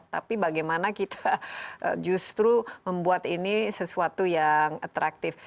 tapi bagaimana kita justru membuat ini sesuatu yang atraktif